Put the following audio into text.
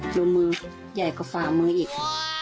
ดูมือใหญ่กว่าฝ่าเมอร์อีก